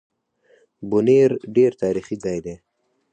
بونېر ډېر تاريخي ځای دی